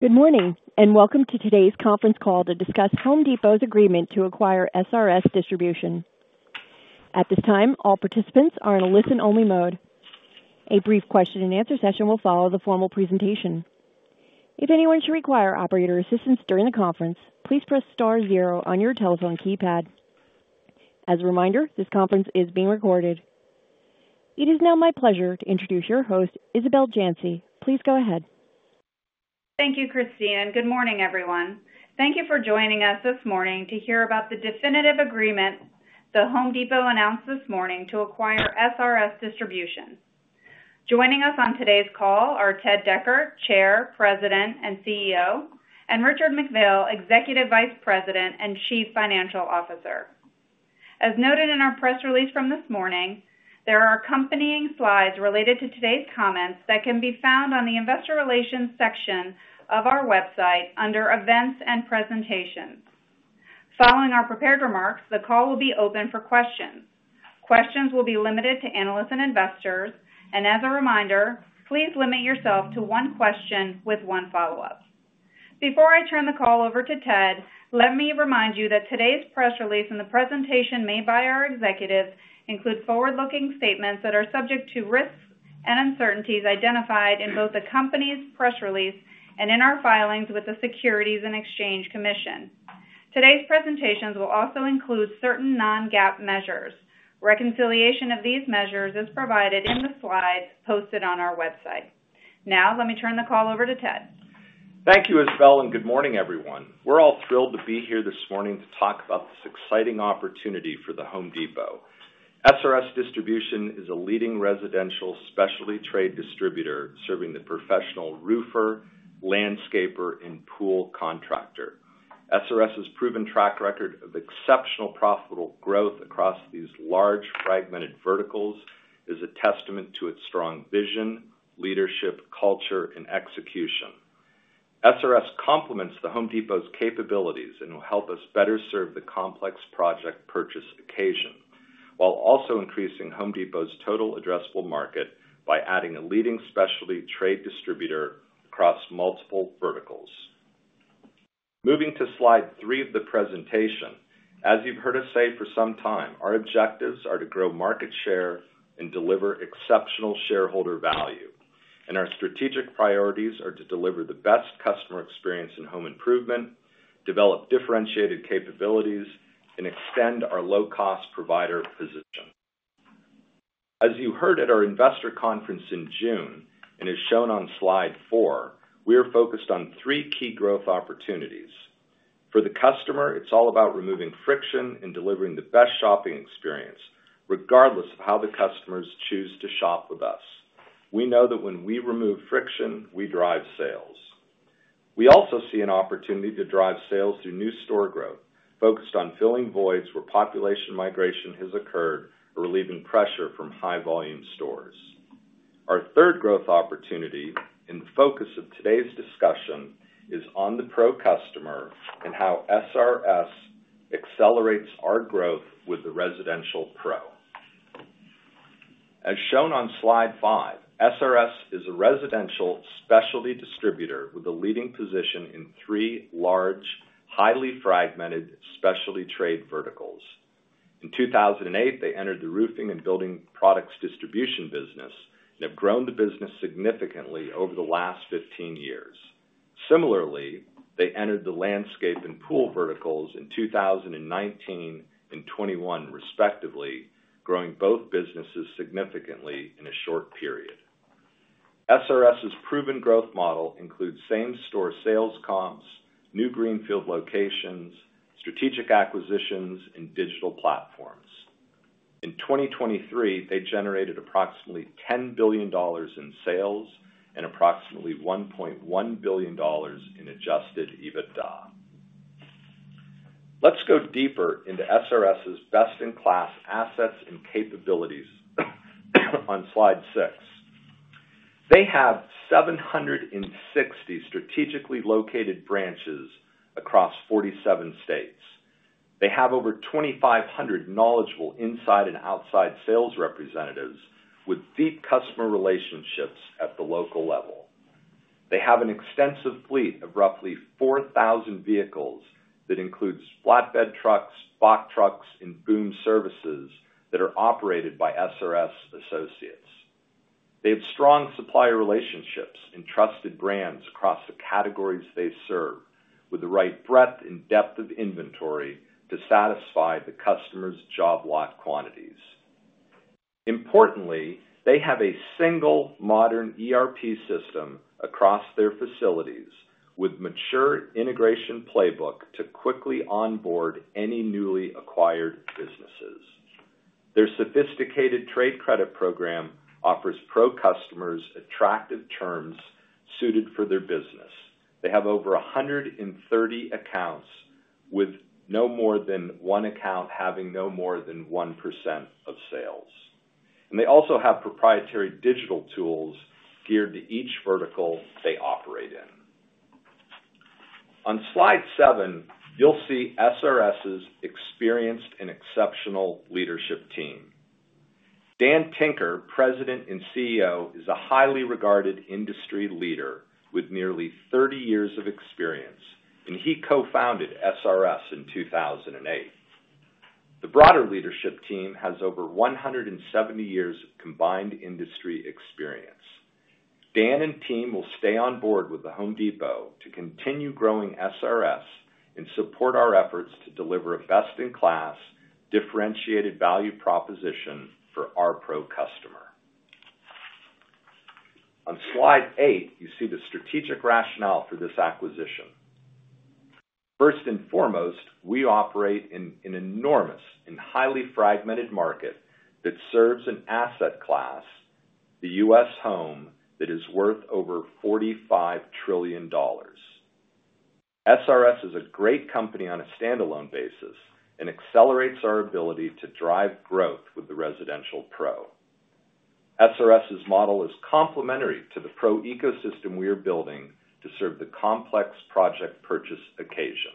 Good morning and welcome to today's conference call to discuss The Home Depot's agreement to acquire SRS Distribution. At this time, all participants are in a listen-only mode. A brief question-and-answer session will follow the formal presentation. If anyone should require operator assistance during the conference, please press star zero on your telephone keypad. As a reminder, this conference is being recorded. It is now my pleasure to introduce your host, Isabel Janci. Please go ahead. Thank you, Christine. Good morning, everyone. Thank you for joining us this morning to hear about the definitive agreement The Home Depot announced this morning to acquire SRS Distribution. Joining us on today's call are Ted Decker, Chair, President and CEO, and Richard McPhail, Executive Vice President and Chief Financial Officer. As noted in our press release from this morning, there are accompanying slides related to today's comments that can be found on the investor relations section of our website under events and presentations. Following our prepared remarks, the call will be open for questions. Questions will be limited to analysts and investors, and as a reminder, please limit yourself to one question with one follow-up. Before I turn the call over to Ted, let me remind you that today's press release and the presentation made by our executives include forward-looking statements that are subject to risks and uncertainties identified in both the company's press release and in our filings with the Securities and Exchange Commission. Today's presentations will also include certain non-GAAP measures. Reconciliation of these measures is provided in the slides posted on our website. Now, let me turn the call over to Ted. Thank you, Isabel, and good morning, everyone. We're all thrilled to be here this morning to talk about this exciting opportunity for The Home Depot. SRS Distribution is a leading residential specialty trade distributor serving the professional roofer, landscaper, and pool contractor. SRS's proven track record of exceptional profitable growth across these large, fragmented verticals is a testament to its strong vision, leadership, culture, and execution. SRS complements the Home Depot's capabilities and will help us better serve the complex project purchase occasion while also increasing Home Depot's Total Addressable Market by adding a leading specialty trade distributor across multiple verticals. Moving to slide three of the presentation, as you've heard us say for some time, our objectives are to grow market share and deliver exceptional shareholder value, and our strategic priorities are to deliver the best customer experience in home improvement, develop differentiated capabilities, and extend our low-cost provider position. As you heard at our investor conference in June and is shown on slide 4, we are focused on 3 key growth opportunities. For the customer, it's all about removing friction and delivering the best shopping experience, regardless of how the customers choose to shop with us. We know that when we remove friction, we drive sales. We also see an opportunity to drive sales through new store growth focused on filling voids where population migration has occurred or relieving pressure from high-volume stores. Our third growth opportunity in the focus of today's discussion is on the pro customer and how SRS accelerates our growth with the residential pro. As shown on slide five, SRS is a residential specialty distributor with a leading position in three large, highly fragmented specialty trade verticals. In 2008, they entered the roofing and building products distribution business and have grown the business significantly over the last 15 years. Similarly, they entered the landscape and pool verticals in 2019 and 2021, respectively, growing both businesses significantly in a short period. SRS's proven growth model includes same-store sales comps, new Greenfield locations, strategic acquisitions, and digital platforms. In 2023, they generated approximately $10 billion in sales and approximately $1.1 billion in adjusted EBITDA. Let's go deeper into SRS's best-in-class assets and capabilities on slide six. They have 760 strategically located branches across 47 states. They have over 2,500 knowledgeable inside and outside sales representatives with deep customer relationships at the local level. They have an extensive fleet of roughly 4,000 vehicles that includes flatbed trucks, box trucks, and boom services that are operated by SRS associates. They have strong supplier relationships and trusted brands across the categories they serve, with the right breadth and depth of inventory to satisfy the customer's job-lot quantities. Importantly, they have a single modern ERP system across their facilities with a mature integration playbook to quickly onboard any newly acquired businesses. Their sophisticated trade credit program offers pro customers attractive terms suited for their business. They have over 130 accounts, with no more than one account having no more than 1% of sales, and they also have proprietary digital tools geared to each vertical they operate in. On slide seven, you'll see SRS's experienced and exceptional leadership team. Dan Tinker, President and CEO, is a highly regarded industry leader with nearly 30 years of experience, and he co-founded SRS in 2008. The broader leadership team has over 170 years of combined industry experience. Dan and team will stay on board with The Home Depot to continue growing SRS and support our efforts to deliver a best-in-class, differentiated value proposition for our pro customer. On slide eight, you see the strategic rationale for this acquisition. First and foremost, we operate in an enormous and highly fragmented market that serves an asset class, the U.S. home, that is worth over $45 trillion. SRS is a great company on a standalone basis and accelerates our ability to drive growth with the residential pro. SRS's model is complementary to the pro ecosystem we are building to serve the complex project purchase occasion.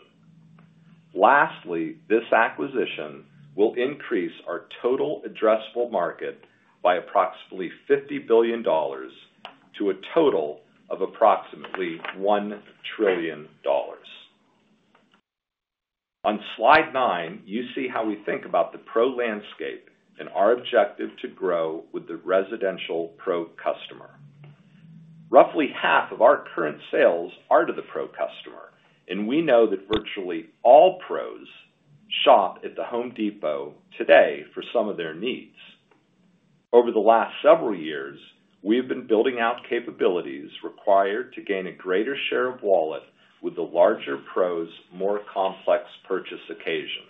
Lastly, this acquisition will increase our Total Addressable Market by approximately $50 billion to a total of approximately $1 trillion. On slide nine, you see how we think about the pro landscape and our objective to grow with the residential pro customer. Roughly half of our current sales are to the pro customer, and we know that virtually all pros shop at The Home Depot today for some of their needs. Over the last several years, we have been building out capabilities required to gain a greater share of wallet with the larger pros' more complex purchase occasion,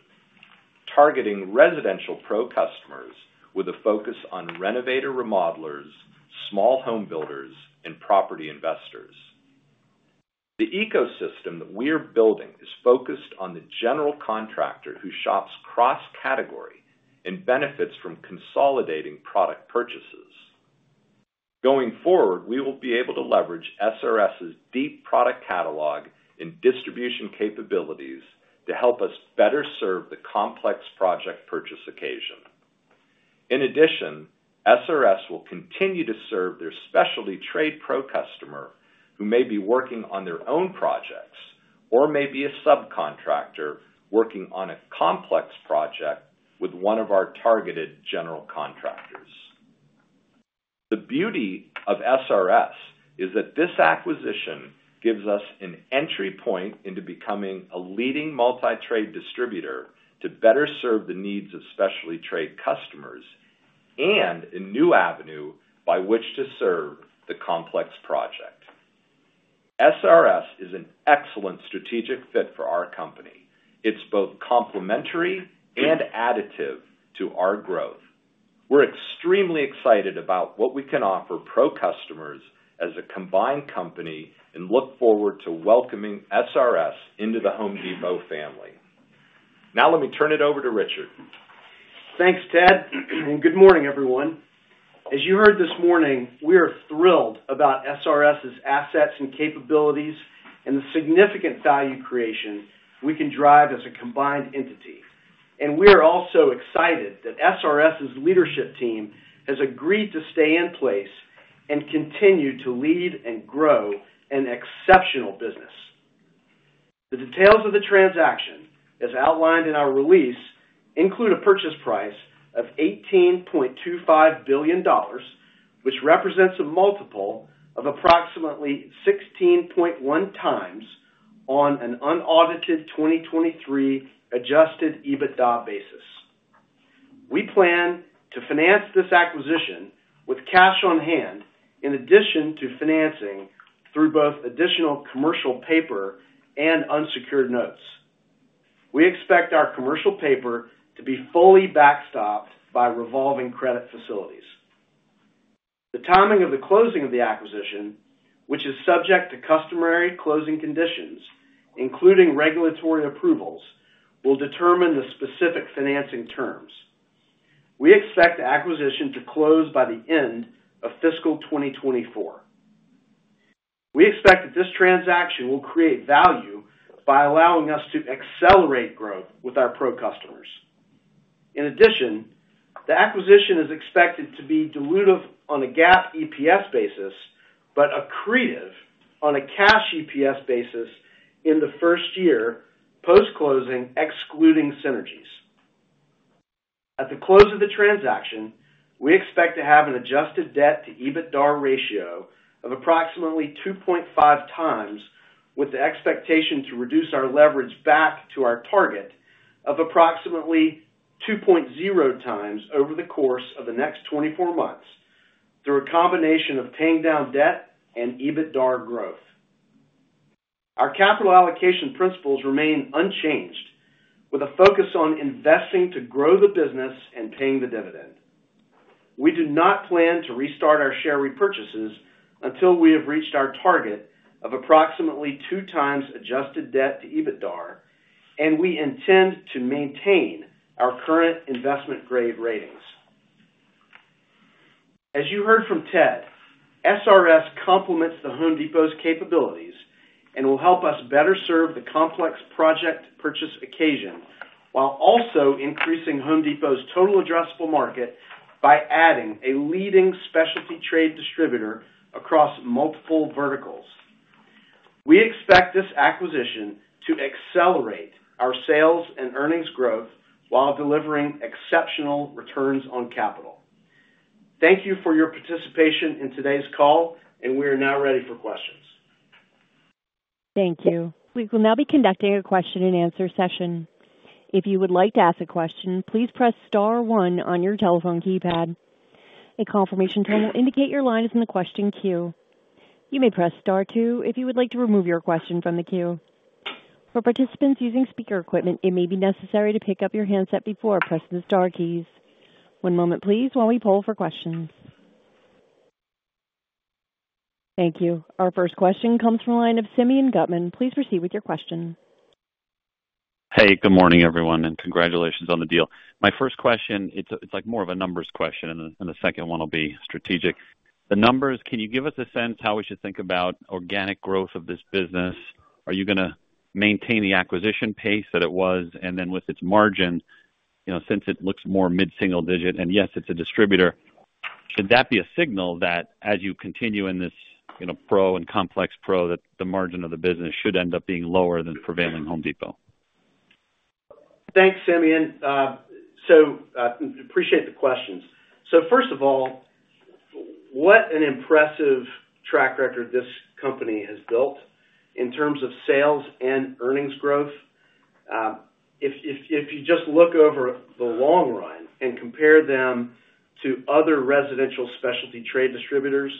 targeting residential pro customers with a focus on renovator remodelers, small home builders, and property investors. The ecosystem that we are building is focused on the general contractor who shops cross-category and benefits from consolidating product purchases. Going forward, we will be able to leverage SRS's deep product catalog and distribution capabilities to help us better serve the complex project purchase occasion. In addition, SRS will continue to serve their specialty trade pro customer who may be working on their own projects or may be a subcontractor working on a complex project with one of our targeted general contractors. The beauty of SRS is that this acquisition gives us an entry point into becoming a leading multi-trade distributor to better serve the needs of specialty trade customers and a new avenue by which to serve the complex project. SRS is an excellent strategic fit for our company. It's both complementary and additive to our growth. We're extremely excited about what we can offer pro customers as a combined company and look forward to welcoming SRS into the Home Depot family. Now, let me turn it over to Richard. Thanks, Ted, and good morning, everyone. As you heard this morning, we are thrilled about SRS's assets and capabilities and the significant value creation we can drive as a combined entity. We are also excited that SRS's leadership team has agreed to stay in place and continue to lead and grow an exceptional business. The details of the transaction, as outlined in our release, include a purchase price of $18.25 billion, which represents a multiple of approximately 16.1x on an unaudited 2023 Adjusted EBITDA basis. We plan to finance this acquisition with cash on hand in addition to financing through both additional commercial paper and unsecured notes. We expect our commercial paper to be fully backstopped by revolving credit facilities. The timing of the closing of the acquisition, which is subject to customary closing conditions including regulatory approvals, will determine the specific financing terms. We expect the acquisition to close by the end of fiscal 2024. We expect that this transaction will create value by allowing us to accelerate growth with our pro customers. In addition, the acquisition is expected to be dilutive on a GAAP EPS basis but accretive on a cash EPS basis in the first year post-closing, excluding synergies. At the close of the transaction, we expect to have an adjusted debt-to-EBITDA ratio of approximately 2.5 times, with the expectation to reduce our leverage back to our target of approximately 2.0 times over the course of the next 24 months through a combination of paying down debt and EBITDA growth. Our capital allocation principles remain unchanged, with a focus on investing to grow the business and paying the dividend. We do not plan to restart our share repurchases until we have reached our target of approximately 2x adjusted debt-to-EBITDA, and we intend to maintain our current investment-grade ratings. As you heard from Ted, SRS complements The Home Depot's capabilities and will help us better serve the complex project purchase occasion while also increasing The Home Depot's Total Addressable Market by adding a leading specialty trade distributor across multiple verticals. We expect this acquisition to accelerate our sales and earnings growth while delivering exceptional returns on capital. Thank you for your participation in today's call, and we are now ready for questions. Thank you. We will now be conducting a question-and-answer session. If you would like to ask a question, please press star one on your telephone keypad. A confirmation tone will indicate your line is in the question queue. You may press star two if you would like to remove your question from the queue. For participants using speaker equipment, it may be necessary to pick up your handset before pressing the star keys. One moment, please, while we pull for questions. Thank you. Our first question comes from a line of Simeon Gutman. Please proceed with your question. Hey, good morning, everyone, and congratulations on the deal. My first question, it's more of a numbers question, and the second one will be strategic. The numbers, can you give us a sense how we should think about organic growth of this business? Are you going to maintain the acquisition pace that it was, and then with its margin, since it looks more mid-single digit and yes, it's a distributor, should that be a signal that as you continue in this pro and complex pro, that the margin of the business should end up being lower than prevailing Home Depot? Thanks, Simeon. So I appreciate the questions. So first of all, what an impressive track record this company has built in terms of sales and earnings growth. If you just look over the long run and compare them to other residential specialty trade distributors,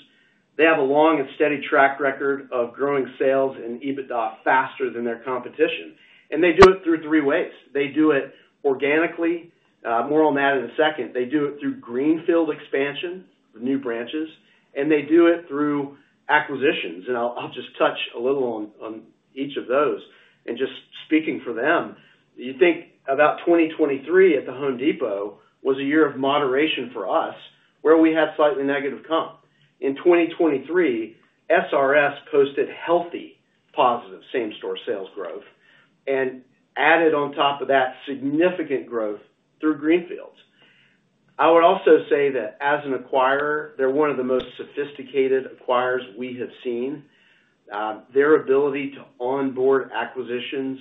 they have a long and steady track record of growing sales and EBITDA faster than their competition. They do it through three ways. They do it organically, more on that in a second. They do it through Greenfield expansion, the new branches, and they do it through acquisitions. I'll just touch a little on each of those. Just speaking for them, you'd think about 2023 at The Home Depot was a year of moderation for us where we had slightly negative comp. In 2023, SRS posted healthy positive same-store sales growth and added on top of that significant growth through Greenfield. I would also say that as an acquirer, they're one of the most sophisticated acquirers we have seen. Their ability to onboard acquisitions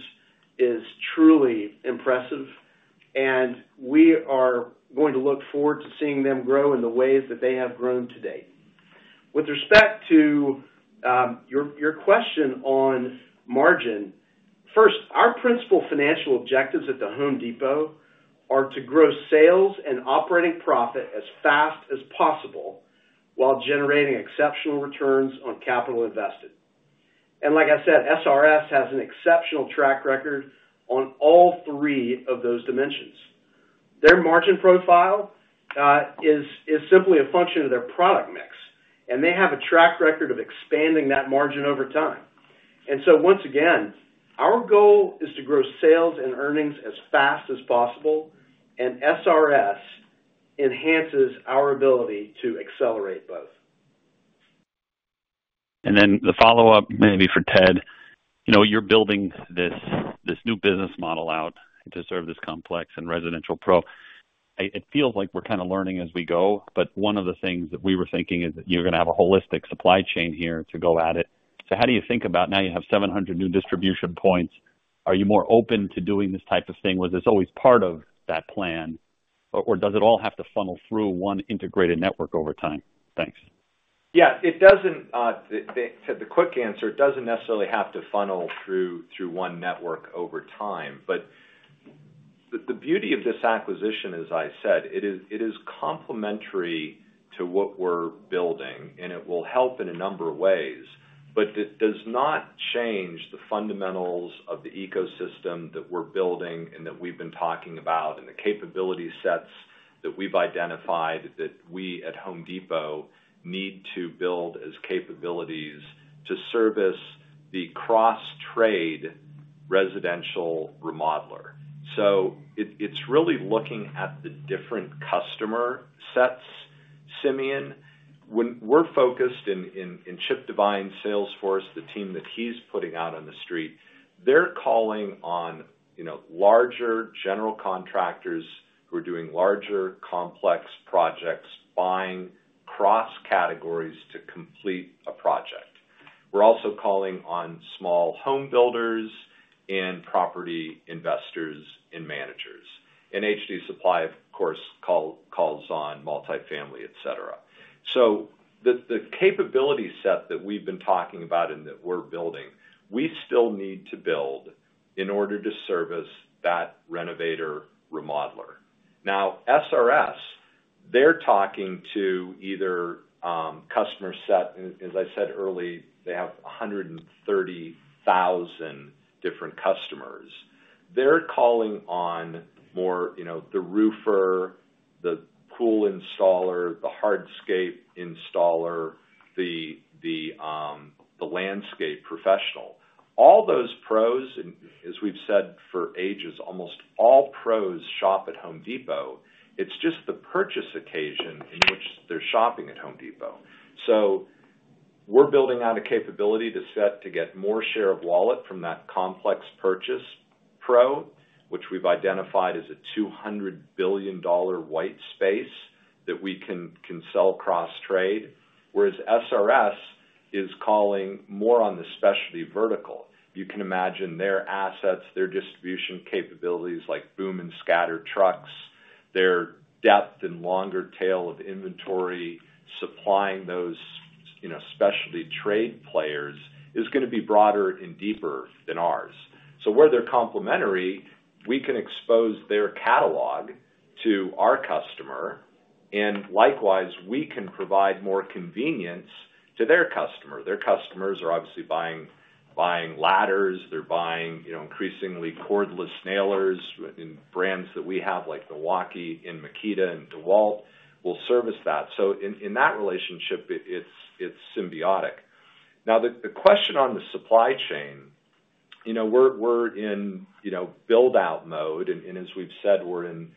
is truly impressive, and we are going to look forward to seeing them grow in the ways that they have grown to date. With respect to your question on margin, first, our principal financial objectives at The Home Depot are to grow sales and operating profit as fast as possible while generating exceptional returns on capital invested. Like I said, SRS has an exceptional track record on all three of those dimensions. Their margin profile is simply a function of their product mix, and they have a track record of expanding that margin over time. So once again, our goal is to grow sales and earnings as fast as possible, and SRS enhances our ability to accelerate both. And then the follow-up maybe for Ted. You're building this new business model out to serve this complex and residential pro. It feels like we're kind of learning as we go, but one of the things that we were thinking is that you're going to have a holistic supply chain here to go at it. So how do you think about now you have 700 new distribution points; are you more open to doing this type of thing? Was this always part of that plan, or does it all have to funnel through one integrated network over time? Thanks. Yeah, it doesn't. The quick answer, it doesn't necessarily have to funnel through one network over time. But the beauty of this acquisition, as I said, it is complementary to what we're building, and it will help in a number of ways, but it does not change the fundamentals of the ecosystem that we're building and that we've been talking about and the capability sets that we've identified that we at Home Depot need to build as capabilities to service the cross-trade residential remodeler. So it's really looking at the different customer sets, Simeon. When we're focused in Chip Devine's sales force, the team that he's putting out on the street, they're calling on larger general contractors who are doing larger, complex projects, buying cross-categories to complete a project. We're also calling on small home builders and property investors and managers. And HD Supply, of course, calls on multifamily, etc. So the capability set that we've been talking about and that we're building, we still need to build in order to service that renovator remodeler. Now, SRS, they're talking to either customer set as I said early, they have 130,000 different customers. They're calling on more the roofer, the pool installer, the hardscape installer, the landscape professional. All those pros, and as we've said for ages, almost all pros shop at Home Depot. It's just the purchase occasion in which they're shopping at Home Depot. So we're building out a capability to get more share of wallet from that complex purchase pro, which we've identified as a $200 billion white space that we can sell cross-trade, whereas SRS is calling more on the specialty vertical. You can imagine their assets, their distribution capabilities like boom and scatter trucks, their depth and longer tail of inventory, supplying those specialty trade players is going to be broader and deeper than ours. So where they're complementary, we can expose their catalog to our customer, and likewise, we can provide more convenience to their customer. Their customers are obviously buying ladders. They're buying increasingly cordless nailers in brands that we have like Milwaukee and Makita and DeWalt. We'll service that. So in that relationship, it's symbiotic. Now, the question on the supply chain, we're in build-out mode. And as we've said, we're in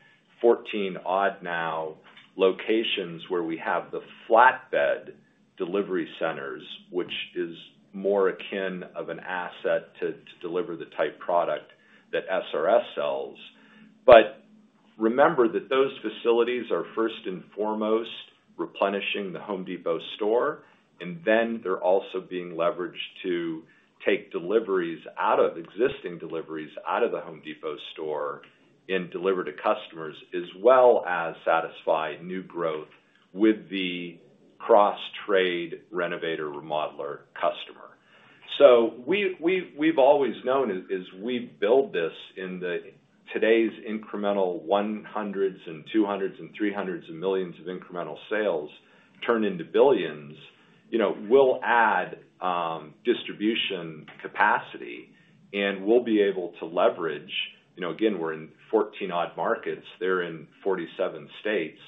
14-odd now locations where we have the flatbed delivery centers, which is more akin to an asset to deliver the type of product that SRS sells. But remember that those facilities are first and foremost replenishing the Home Depot store, and then they're also being leveraged to take deliveries out of existing deliveries out of the Home Depot store and deliver to customers as well as satisfy new growth with the cross-trade renovator remodeler customer. So we've always known as we build this in today's incremental $100 million, $200 million, and $300 million of incremental sales turn into $ billions, we'll add distribution capacity, and we'll be able to leverage again, we're in 14-odd markets. They're in 47 states.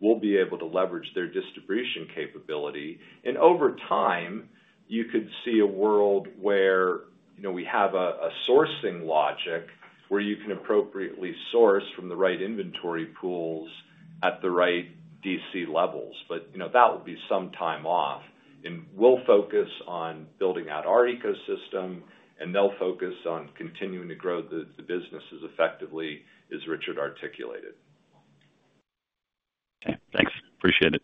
We'll be able to leverage their distribution capability. And over time, you could see a world where we have a sourcing logic where you can appropriately source from the right inventory pools at the right DC levels. But that will be some time off. We'll focus on building out our ecosystem, and they'll focus on continuing to grow the businesses effectively, as Richard articulated. Okay. Thanks. Appreciate it.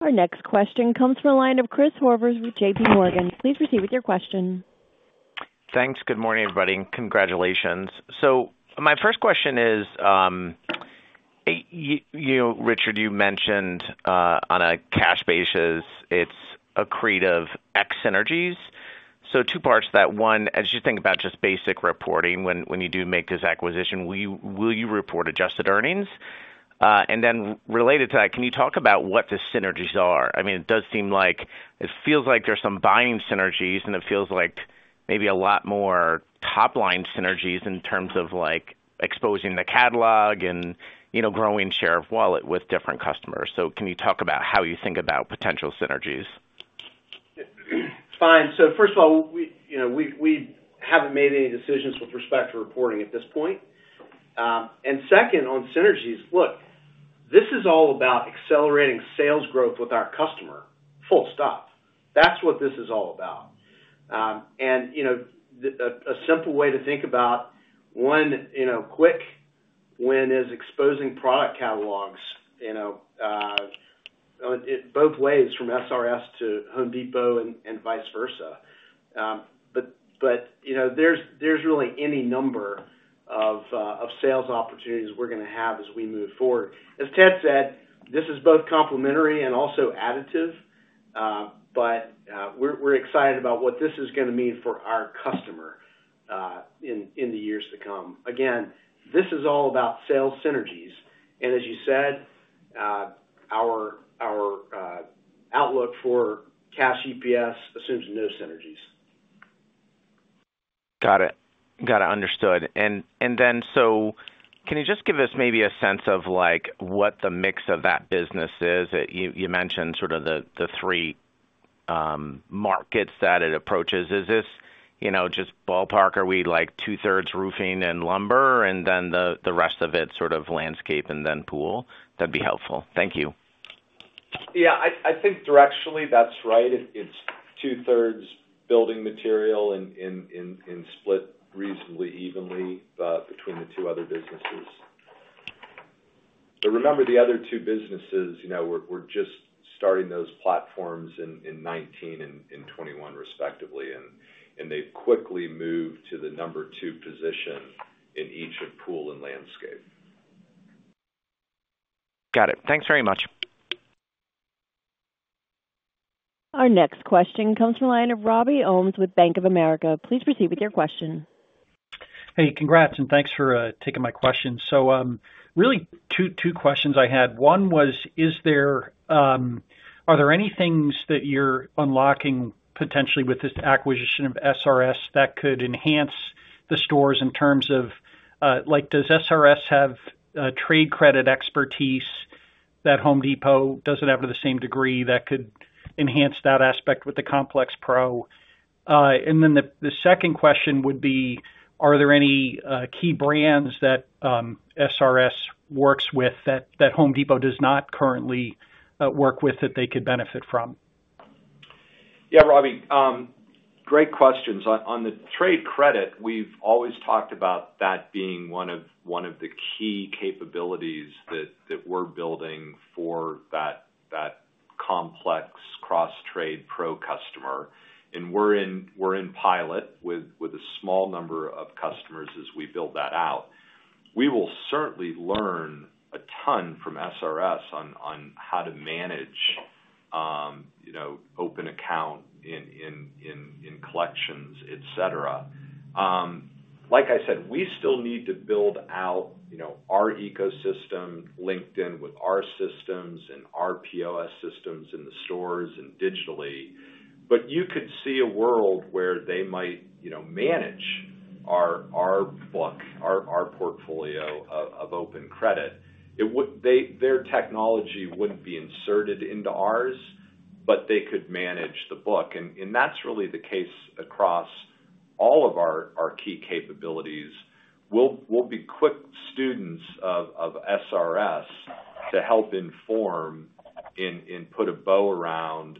Our next question comes from a line of Chris Horvers with JP Morgan. Please proceed with your question. Thanks. Good morning, everybody, and congratulations. So my first question is, Richard, you mentioned on a cash basis, it's accretive ex-synergies. So two parts to that. One, as you think about just basic reporting when you do make this acquisition, will you report adjusted earnings? And then related to that, can you talk about what the synergies are? I mean, it does seem like it feels like there's some buying synergies, and it feels like maybe a lot more top-line synergies in terms of exposing the catalog and growing share of wallet with different customers. So can you talk about how you think about potential synergies? Fine. So first of all, we haven't made any decisions with respect to reporting at this point. And second, on synergies, look, this is all about accelerating sales growth with our customer, full stop. That's what this is all about. And a simple way to think about, one, quick, when is exposing product catalogs both ways from SRS to Home Depot and vice versa. But there's really any number of sales opportunities we're going to have as we move forward. As Ted said, this is both complementary and also additive, but we're excited about what this is going to mean for our customer in the years to come. Again, this is all about sales synergies. And as you said, our outlook for cash EPS assumes no synergies. Got it. Got it, understood. Then so can you just give us maybe a sense of what the mix of that business is? You mentioned sort of the three markets that it approaches. Is this just ballpark, are we two-thirds roofing and lumber, and then the rest of it sort of landscape and then pool? That'd be helpful. Thank you. Yeah, I think directionally, that's right. It's two-thirds building material and split reasonably evenly between the two other businesses. But remember, the other two businesses, we're just starting those platforms in 2019 and 2021, respectively, and they've quickly moved to the number two position in each of pool and landscape. Got it. Thanks very much. Our next question comes from a line of Robbie Ohmes with Bank of America. Please proceed with your question. Hey, congrats, and thanks for taking my question. So really, two questions I had. One was, are there any things that you're unlocking potentially with this acquisition of SRS that could enhance the stores in terms of does SRS have trade credit expertise that Home Depot doesn't have to the same degree that could enhance that aspect with the complex pro? And then the second question would be, are there any key brands that SRS works with that Home Depot does not currently work with that they could benefit from? Yeah, Robbie, great questions. On the trade credit, we've always talked about that being one of the key capabilities that we're building for that complex cross-trade pro customer. And we're in pilot with a small number of customers as we build that out. We will certainly learn a ton from SRS on how to manage open account in collections, etc. Like I said, we still need to build out our ecosystem linked in with our systems and our POS systems in the stores and digitally. But you could see a world where they might manage our book, our portfolio of open credit. Their technology wouldn't be inserted into ours, but they could manage the book. And that's really the case across all of our key capabilities. We'll be quick students of SRS to help inform and put a bow around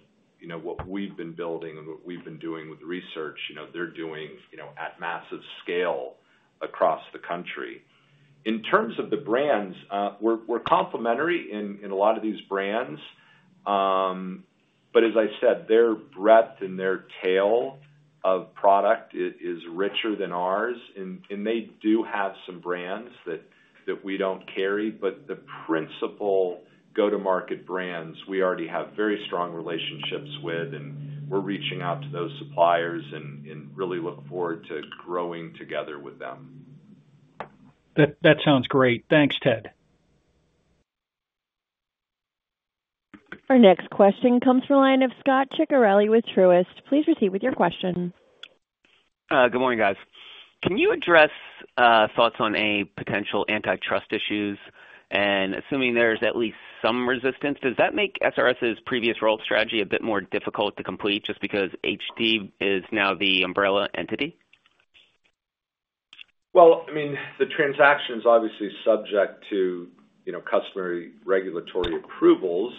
what we've been building and what we've been doing with research they're doing at massive scale across the country. In terms of the brands, we're complementary in a lot of these brands. But as I said, their breadth and their tail of product is richer than ours. And they do have some brands that we don't carry, but the principal go-to-market brands, we already have very strong relationships with, and we're reaching out to those suppliers and really look forward to growing together with them. That sounds great. Thanks, Ted. Our next question comes from a line of Scot Ciccarelli with Truist. Please proceed with your question. Good morning, guys. Can you address thoughts on potential antitrust issues? Assuming there's at least some resistance, does that make SRS's previous roll strategy a bit more difficult to complete just because HD is now the umbrella entity? Well, I mean, the transaction's obviously subject to customary regulatory approvals.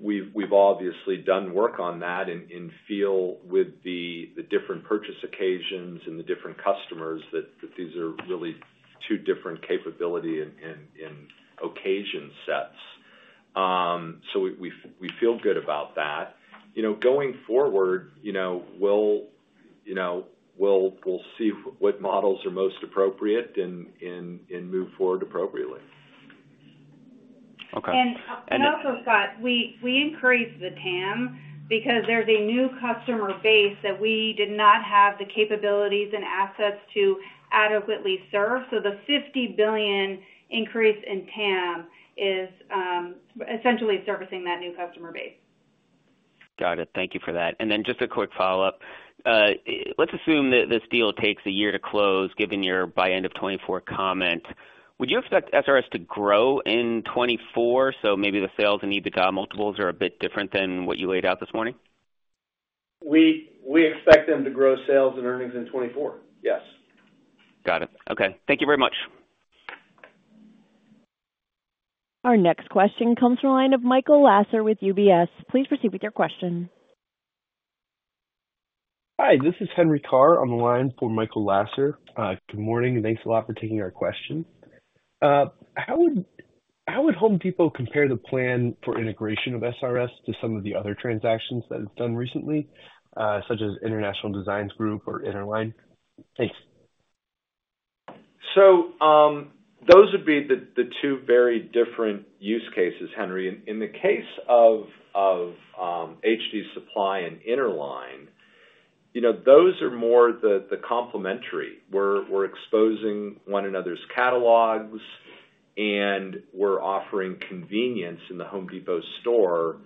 We've obviously done work on that and feel with the different purchase occasions and the different customers that these are really two different capability and occasion sets. So we feel good about that. Going forward, we'll see what models are most appropriate and move forward appropriately. And also, Scot, we increased the TAM because there's a new customer base that we did not have the capabilities and assets to adequately serve. So the $50 billion increase in TAM is essentially servicing that new customer base. Got it. Thank you for that. And then just a quick follow-up. Let's assume that this deal takes a year to close given your by end of 2024 comment. Would you expect SRS to grow in 2024? So maybe the sales and EBITDA multiples are a bit different than what you laid out this morning? We expect them to grow sales and earnings in 2024. Yes. Got it. Okay. Thank you very much. Our next question comes from a line of Michael Lasser with UBS. Please proceed with your question. Hi, this is Henry Carr on the line for Michael Lasser. Good morning and thanks a lot for taking our question. How would Home Depot compare the plan for integration of SRS to some of the other transactions that it's done recently, such as International Designs Group or Interline? Thanks. So those would be the two very different use cases, Henry. In the case of HD Supply and Interline, those are more the complementary. We're exposing one another's catalogs, and we're offering convenience in the Home Depot store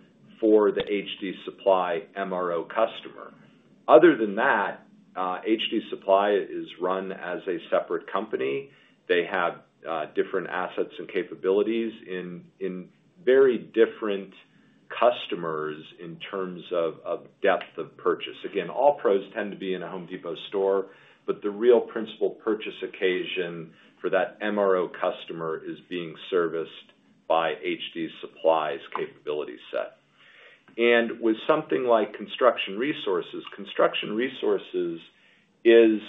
for the HD Supply MRO customer. Other than that, HD Supply is run as a separate company. They have different assets and capabilities in very different customers in terms of depth of purchase. Again, all pros tend to be in a Home Depot store, but the real principal purchase occasion for that MRO customer is being serviced by HD Supply's capability set. And with something like Construction Resources, Construction Resources is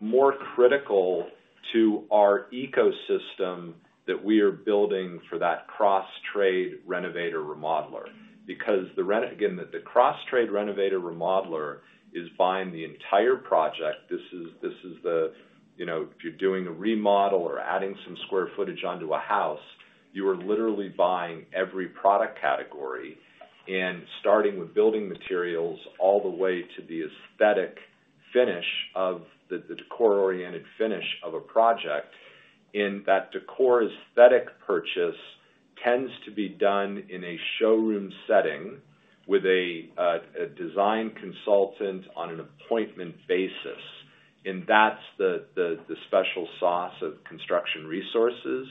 more critical to our ecosystem that we are building for that cross-trade renovator remodeler because again, the cross-trade renovator remodeler is buying the entire project. This is the if you're doing a remodel or adding some square footage onto a house, you are literally buying every product category and starting with building materials all the way to the aesthetic finish of the decor-oriented finish of a project. That decor aesthetic purchase tends to be done in a showroom setting with a design consultant on an appointment basis. That's the special sauce of Construction Resources.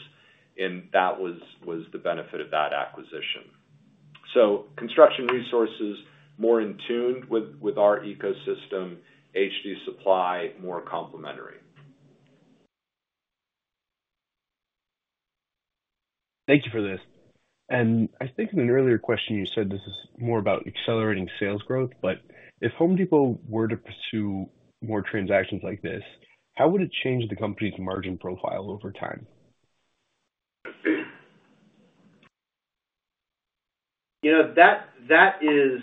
That was the benefit of that acquisition. Construction Resources, more in tune with our ecosystem, HD Supply, more complementary. Thank you for this. And I think in an earlier question, you said this is more about accelerating sales growth. But if Home Depot were to pursue more transactions like this, how would it change the company's margin profile over time? That is,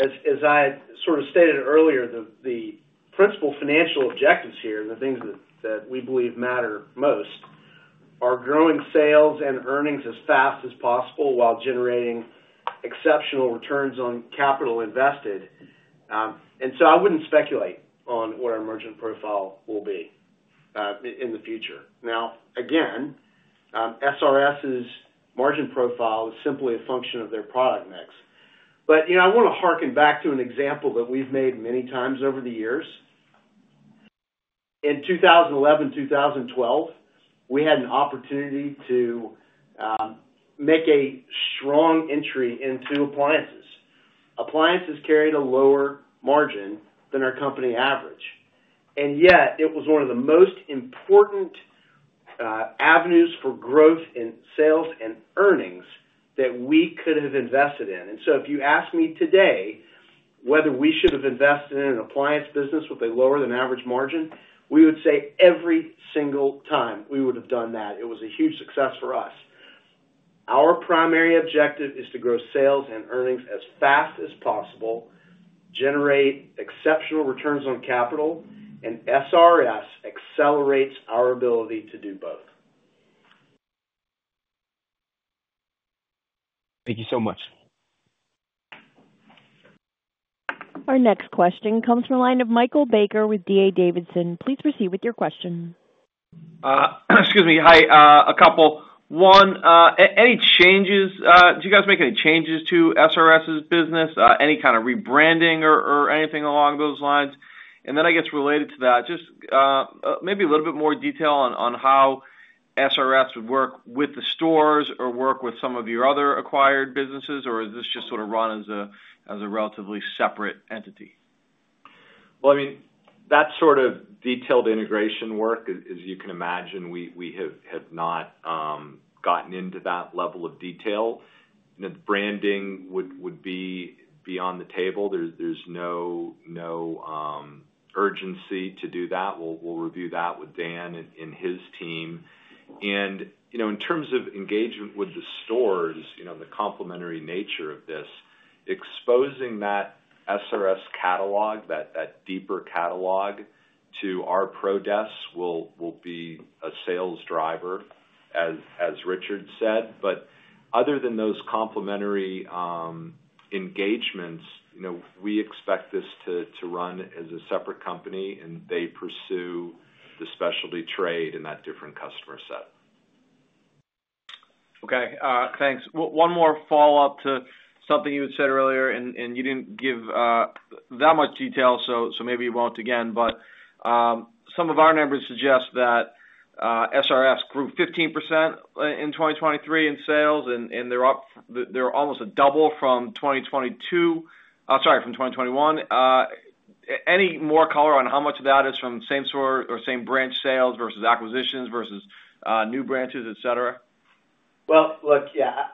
as I sort of stated earlier, the principal financial objectives here and the things that we believe matter most are growing sales and earnings as fast as possible while generating exceptional returns on capital invested. And so I wouldn't speculate on what our margin profile will be in the future. Now, again, SRS's margin profile is simply a function of their product mix. But I want to harken back to an example that we've made many times over the years. In 2011, 2012, we had an opportunity to make a strong entry into appliances. Appliances carried a lower margin than our company average. And yet, it was one of the most important avenues for growth in sales and earnings that we could have invested in. If you ask me today whether we should have invested in an appliance business with a lower than average margin, we would say every single time we would have done that. It was a huge success for us. Our primary objective is to grow sales and earnings as fast as possible, generate exceptional returns on capital, and SRS accelerates our ability to do both. Thank you so much. Our next question comes from a line of Michael Baker with D.A. Davidson. Please proceed with your question. Excuse me. Hi, a couple. One, do you guys make any changes to SRS's business, any kind of rebranding or anything along those lines? And then I guess related to that, just maybe a little bit more detail on how SRS would work with the stores or work with some of your other acquired businesses, or is this just sort of run as a relatively separate entity? Well, I mean, that sort of detailed integration work, as you can imagine, we have not gotten into that level of detail. Branding would be beyond the table. There's no urgency to do that. We'll review that with Dan and his team. And in terms of engagement with the stores, the complementary nature of this, exposing that SRS catalog, that deeper catalog to our pro desk will be a sales driver, as Richard said. But other than those complementary engagements, we expect this to run as a separate company, and they pursue the specialty trade in that different customer set. Okay. Thanks. One more follow-up to something you had said earlier, and you didn't give that much detail, so maybe you won't again. But some of our numbers suggest that SRS grew 15% in 2023 in sales, and they're almost a double from 2022 sorry, from 2021. Any more color on how much of that is from same store or same branch sales versus acquisitions versus new branches, etc.? Well, look, yeah,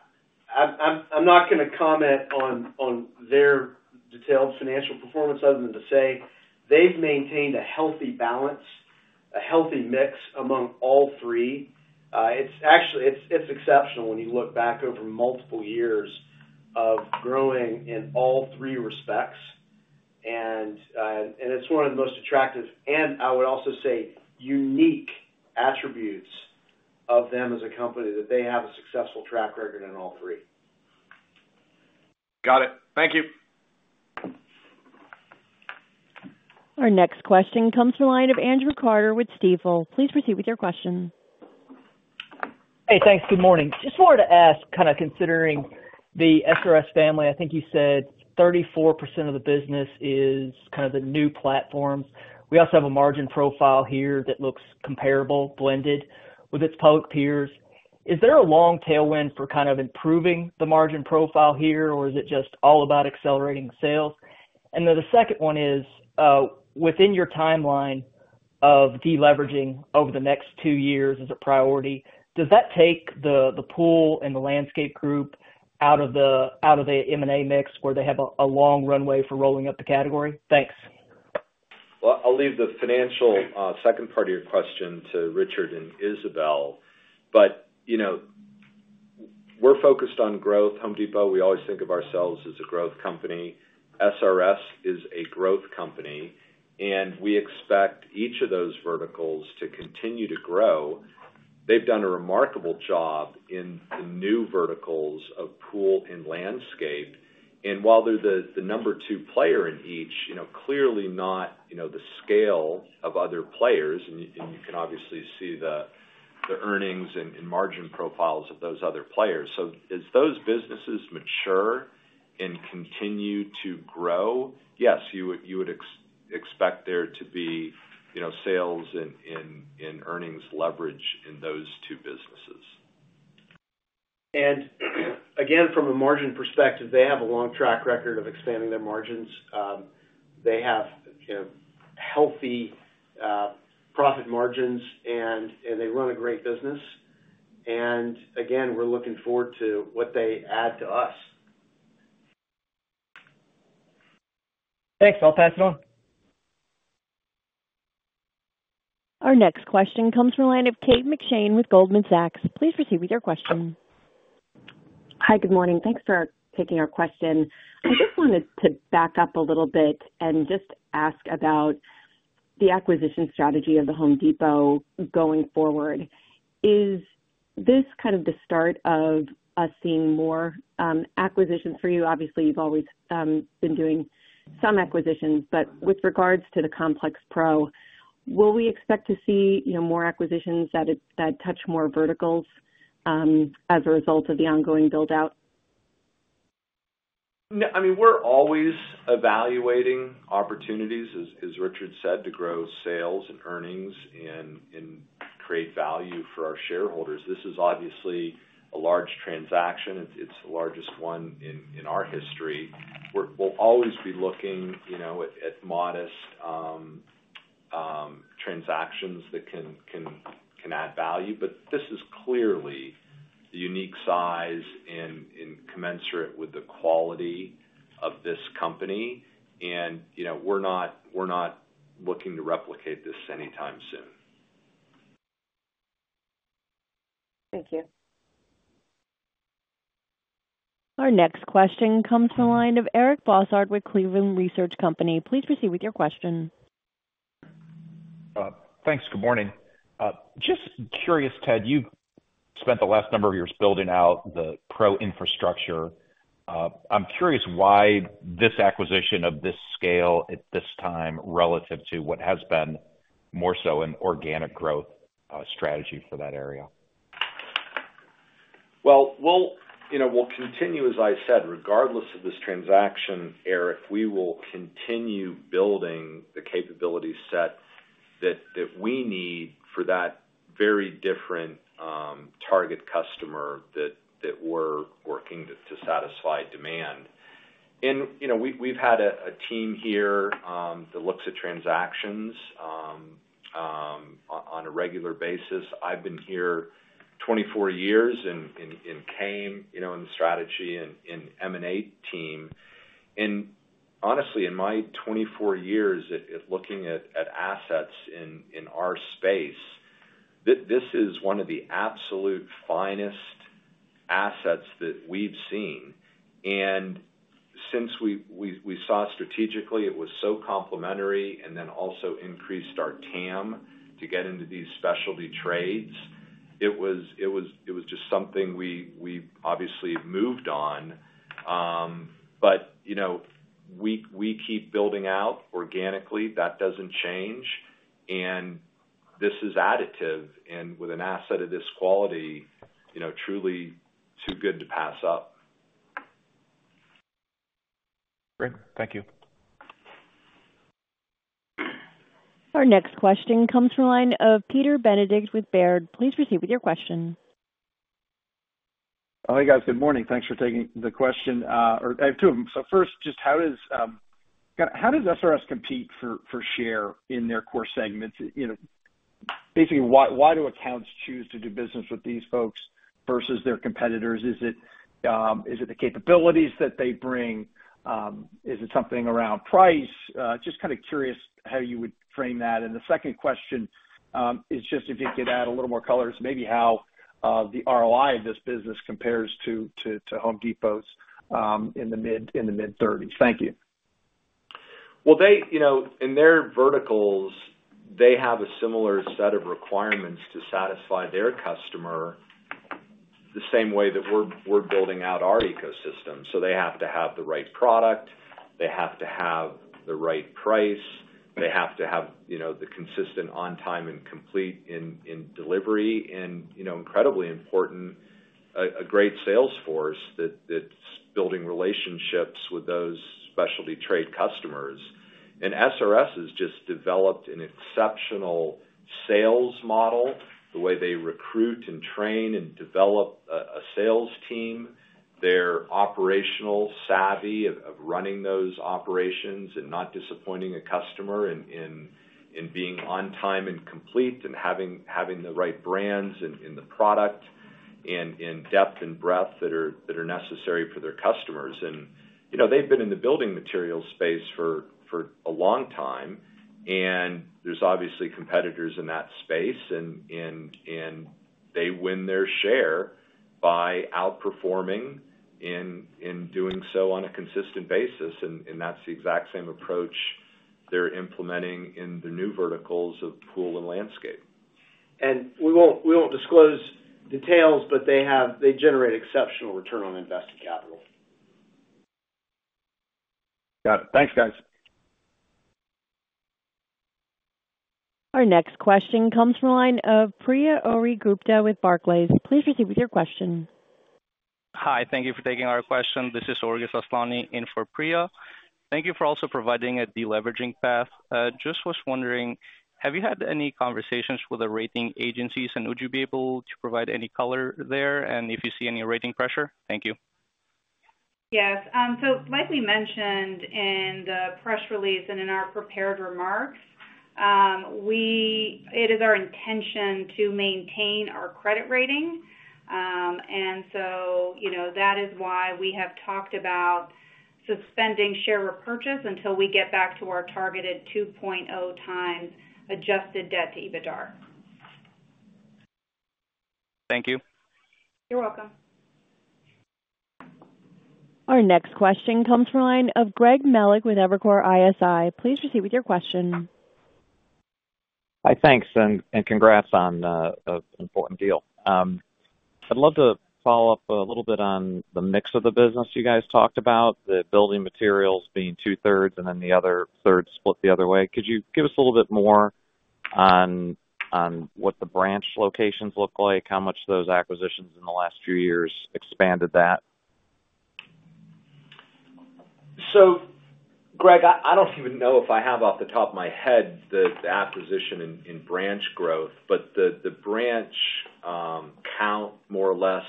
I'm not going to comment on their detailed financial performance other than to say they've maintained a healthy balance, a healthy mix among all three. Actually, it's exceptional when you look back over multiple years of growing in all three respects. It's one of the most attractive and, I would also say, unique attributes of them as a company that they have a successful track record in all three. Got it. Thank you. Our next question comes from a line of Andrew Carter with Stifel. Please proceed with your question. Hey, thanks. Good morning. Just wanted to ask, kind of considering the SRS family, I think you said 34% of the business is kind of the new platforms. We also have a margin profile here that looks comparable, blended with its public peers. Is there a long tailwind for kind of improving the margin profile here, or is it just all about accelerating sales? And then the second one is, within your timeline of deleveraging over the next two years as a priority, does that take the pool and the landscape group out of the M&A mix where they have a long runway for rolling up the category? Thanks. Well, I'll leave the financial second part of your question to Richard and Isabel. We're focused on growth. Home Depot, we always think of ourselves as a growth company. SRS is a growth company. We expect each of those verticals to continue to grow. They've done a remarkable job in the new verticals of pool and landscape. While they're the number two player in each, clearly not the scale of other players. You can obviously see the earnings and margin profiles of those other players. So as those businesses mature and continue to grow, yes, you would expect there to be sales and earnings leverage in those two businesses. Again, from a margin perspective, they have a long track record of expanding their margins. They have healthy profit margins, and they run a great business. Again, we're looking forward to what they add to us. Thanks. I'll pass it on. Our next question comes from a line of Kate McShane with Goldman Sachs. Please proceed with your question. Hi, good morning. Thanks for taking our question. I just wanted to back up a little bit and just ask about the acquisition strategy of The Home Depot going forward. Is this kind of the start of us seeing more acquisitions for you? Obviously, you've always been doing some acquisitions. But with regards to the complex pro, will we expect to see more acquisitions that touch more verticals as a result of the ongoing buildout? I mean, we're always evaluating opportunities, as Richard said, to grow sales and earnings and create value for our shareholders. This is obviously a large transaction. It's the largest one in our history. We'll always be looking at modest transactions that can add value. But this is clearly the unique size and commensurate with the quality of this company. And we're not looking to replicate this anytime soon. Thank you. Our next question comes from a line of Eric Bosshard with Cleveland Research Company. Please proceed with your question. Thanks. Good morning. Just curious, Ted, you've spent the last number of years building out the pro infrastructure. I'm curious why this acquisition of this scale at this time relative to what has been more so an organic growth strategy for that area. Well, we'll continue, as I said. Regardless of this transaction, Eric, we will continue building the capability set that we need for that very different target customer that we're working to satisfy demand. And we've had a team here that looks at transactions on a regular basis. I've been here 24 years in came, in the strategy, in M&A team. And honestly, in my 24 years looking at assets in our space, this is one of the absolute finest assets that we've seen. And since we saw strategically, it was so complementary and then also increased our TAM to get into these specialty trades, it was just something we obviously moved on. But we keep building out organically. That doesn't change. And this is additive. And with an asset of this quality, truly too good to pass up. Great. Thank you. Our next question comes from a line of Peter Benedict with Baird. Please proceed with your question. Hi, guys. Good morning. Thanks for taking the question. I have two of them. So first, just how does SRS compete for share in their core segments? Basically, why do accounts choose to do business with these folks versus their competitors? Is it the capabilities that they bring? Is it something around price? Just kind of curious how you would frame that. And the second question is just if you could add a little more colors, maybe how the ROI of this business compares to Home Depot's in the mid-30s. Thank you. Well, in their verticals, they have a similar set of requirements to satisfy their customer the same way that we're building out our ecosystem. So they have to have the right product. They have to have the right price. They have to have the consistent on-time and complete in delivery. And incredibly important, a great sales force that's building relationships with those specialty trade customers. And SRS has just developed an exceptional sales model, the way they recruit and train and develop a sales team. They're operational savvy of running those operations and not disappointing a customer in being on time and complete and having the right brands in the product and in depth and breadth that are necessary for their customers. And they've been in the building materials space for a long time. And there's obviously competitors in that space. They win their share by outperforming in doing so on a consistent basis. That's the exact same approach they're implementing in the new verticals of pool and landscape. We won't disclose details, but they generate exceptional return on invested capital. Got it. Thanks, guys. Our next question comes from a line of Priya Ohri-Gupta with Barclays. Please proceed with your question. Hi. Thank you for taking our question. This is Orges Asllani in for Priya. Thank you for also providing a deleveraging path. Just was wondering, have you had any conversations with the rating agencies, and would you be able to provide any color there and if you see any rating pressure? Thank you. Yes. So like we mentioned in the press release and in our prepared remarks, it is our intention to maintain our credit rating. And so that is why we have talked about suspending share repurchase until we get back to our targeted 2.0x adjusted debt-to-EBITDA. Thank you. You're welcome. Our next question comes from a line of Greg Melich with Evercore ISI. Please proceed with your question. Hi. Thanks and congrats on an important deal. I'd love to follow up a little bit on the mix of the business you guys talked about, the building materials being two-thirds and then the other third split the other way. Could you give us a little bit more on what the branch locations look like, how much those acquisitions in the last few years expanded that? So Greg, I don't even know if I have off the top of my head the acquisition in branch growth, but the branch count more or less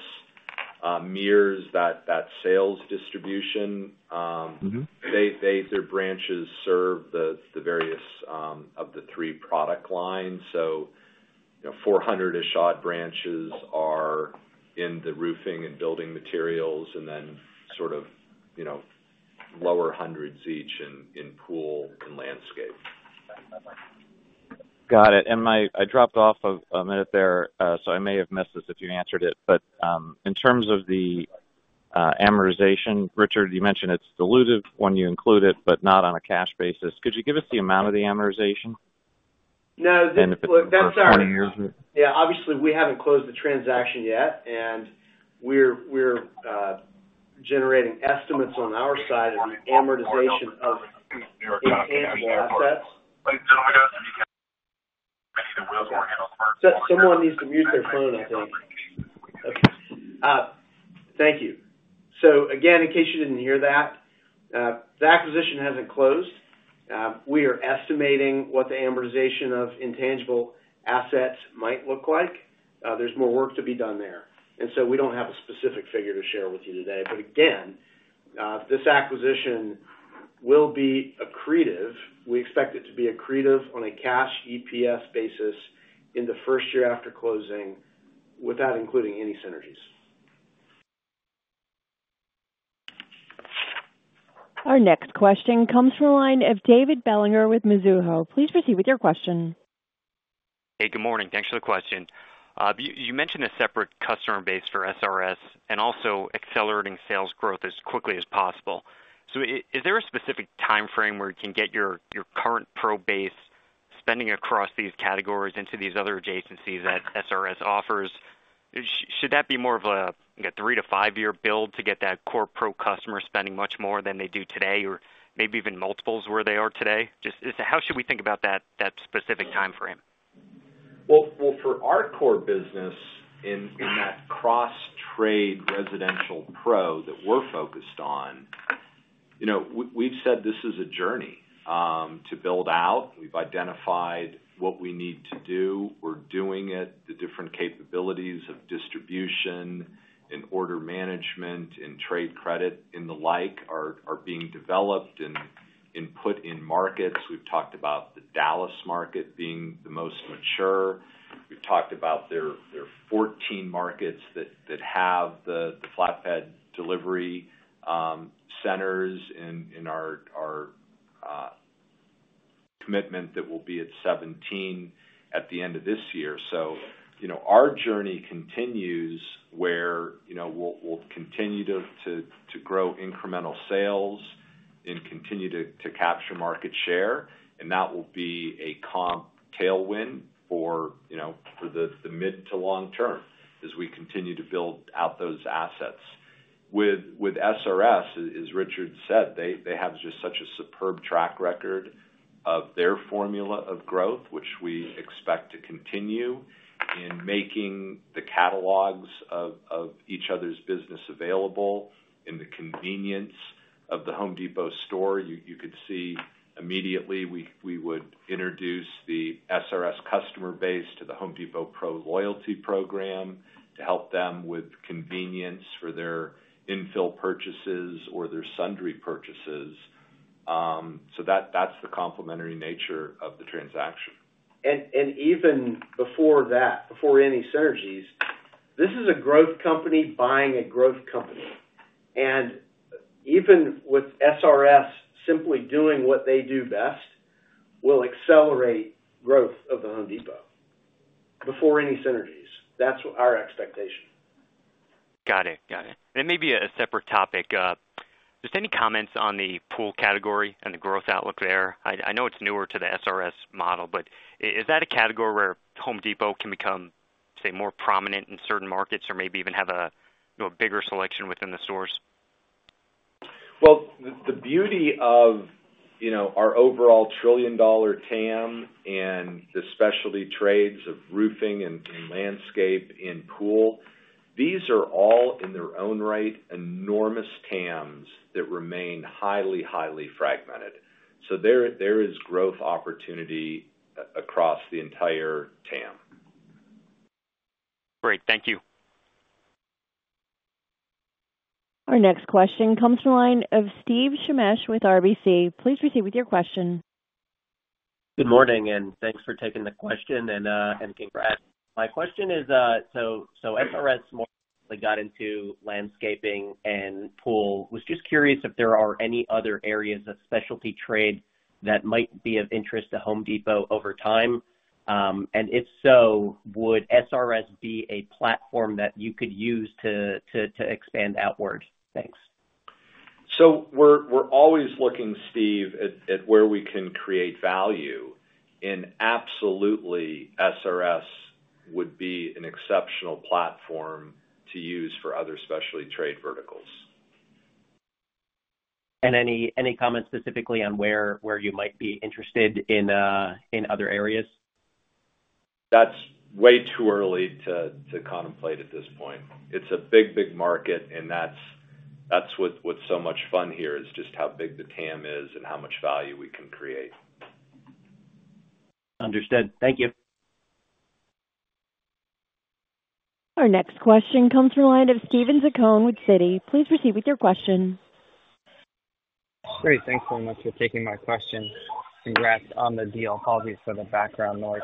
mirrors that sales distribution. Their branches serve the various of the three product lines. So 400-ish-odd branches are in the roofing and building materials and then sort of lower hundreds each in pool and landscape. Got it. And I dropped off a minute there, so I may have missed this if you answered it. But in terms of the amortization, Richard, you mentioned it's dilutive when you include it, but not on a cash basis. Could you give us the amount of the amortization? No. I'm sorry. Yeah. Obviously, we haven't closed the transaction yet. We're generating estimates on our side of the amortization of the intangible assets. Someone needs to mute their phone, I think. Okay. Thank you. So again, in case you didn't hear that, the acquisition hasn't closed. We are estimating what the amortization of intangible assets might look like. There's more work to be done there. And so we don't have a specific figure to share with you today. But again, this acquisition will be accretive. We expect it to be accretive on a cash EPS basis in the first year after closing without including any synergies. Our next question comes from a line of David Bellinger with Mizuho. Please proceed with your question. Hey. Good morning. Thanks for the question. You mentioned a separate customer base for SRS and also accelerating sales growth as quickly as possible. So is there a specific timeframe where you can get your current pro base spending across these categories into these other adjacencies that SRS offers? Should that be more of a 3-5-year build to get that core pro customer spending much more than they do today or maybe even multiples where they are today? How should we think about that specific timeframe? Well, for our core business in that cross-trade residential pro that we're focused on, we've said this is a journey to build out. We've identified what we need to do. We're doing it. The different capabilities of distribution and order management and trade credit and the like are being developed and put in markets. We've talked about the Dallas market being the most mature. We've talked about there are 14 markets that have the flatbed delivery centers in our commitment that will be at 17 at the end of this year. So our journey continues where we'll continue to grow incremental sales and continue to capture market share. And that will be a comp tailwind for the mid to long term as we continue to build out those assets. With SRS, as Richard said, they have just such a superb track record of their formula of growth, which we expect to continue in making the catalogs of each other's business available in the convenience of the Home Depot store. You could see immediately we would introduce the SRS customer base to the Home Depot Pro Loyalty Program to help them with convenience for their infill purchases or their sundry purchases. So that's the complementary nature of the transaction. Even before that, before any synergies, this is a growth company buying a growth company. Even with SRS simply doing what they do best will accelerate growth of the Home Depot before any synergies. That's our expectation. Got it. Got it. And it may be a separate topic. Just any comments on the pool category and the growth outlook there? I know it's newer to the SRS model, but is that a category where Home Depot can become, say, more prominent in certain markets or maybe even have a bigger selection within the stores? Well, the beauty of our overall trillion-dollar TAM and the specialty trades of roofing and landscape and pool, these are all in their own right enormous TAMs that remain highly, highly fragmented. So there is growth opportunity across the entire TAM. Great. Thank you. Our next question comes from a line of Steve Shemesh with RBC. Please proceed with your question. Good morning. Thanks for taking the question and congrats. My question is, so SRS more recently got into landscaping and pool, was just curious if there are any other areas of specialty trade that might be of interest to Home Depot over time. If so, would SRS be a platform that you could use to expand outward? Thanks. We're always looking, Steve, at where we can create value. Absolutely, SRS would be an exceptional platform to use for other specialty trade verticals. Any comments specifically on where you might be interested in other areas? That's way too early to contemplate at this point. It's a big, big market. And that's what's so much fun here is just how big the TAM is and how much value we can create. Understood. Thank you. Our next question comes from a line of Steven Zaccone with Citi. Please proceed with your question. Great. Thanks so much for taking my question. Congrats on the deal. Apologies for the background noise.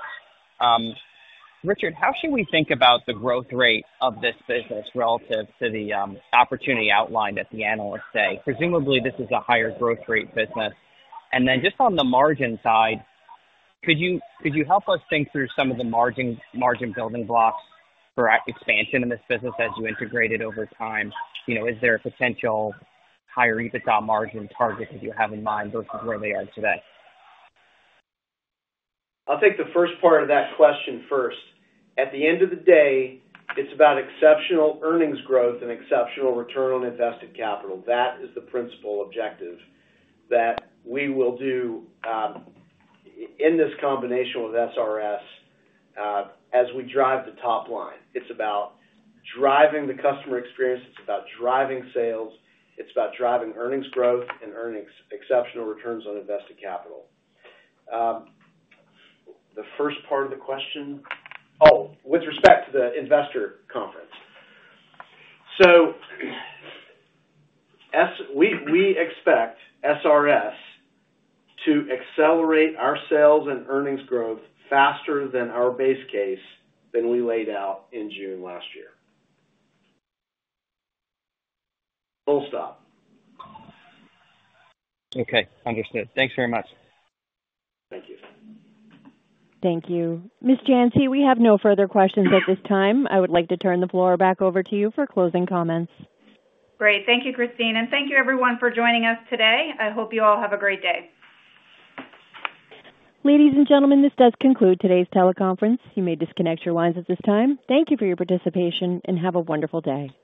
Richard, how should we think about the growth rate of this business relative to the opportunity outlined at the analyst day? Presumably, this is a higher growth rate business. And then just on the margin side, could you help us think through some of the margin building blocks for expansion in this business as you integrate it over time? Is there a potential higher EBITDA margin target that you have in mind versus where they are today? I'll take the first part of that question first. At the end of the day, it's about exceptional earnings growth and exceptional return on invested capital. That is the principal objective that we will do in this combination with SRS as we drive the top line. It's about driving the customer experience. It's about driving sales. It's about driving earnings growth and exceptional returns on invested capital. The first part of the question? Oh, with respect to the investor conference. So we expect SRS to accelerate our sales and earnings growth faster than our base case than we laid out in June last year. Full stop. Okay. Understood. Thanks very much. Thank you. Thank you. Ms. Janci, we have no further questions at this time. I would like to turn the floor back over to you for closing comments. Great. Thank you, Christine. Thank you, everyone, for joining us today. I hope you all have a great day. Ladies and gentlemen, this does conclude today's teleconference. You may disconnect your lines at this time. Thank you for your participation, and have a wonderful day.